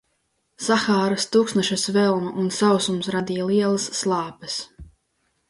Sahāras tuksneša svelme un sausums radīja lielas slāpes.